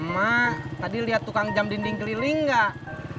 mak tadi liat tukang jam dinding keliling gak